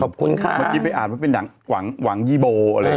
เมื่อกี้ไปอ่านว่าเป็นหนังหวังยี่โบ